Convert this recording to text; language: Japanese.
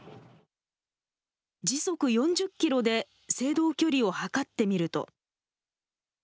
時速４０キロで制動距離を測ってみると。